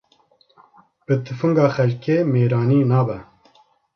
Bi tifinga xelkê mêrani nabe